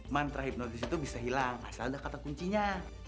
mantra hipnotis itu bisa hilang asal ada kata kuncinya